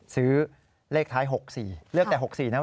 ซื้อเลขท้าย๖๔เลือกแต่๖๔นะ